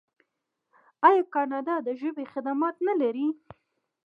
آیا کاناډا د ژباړې خدمات نلري؟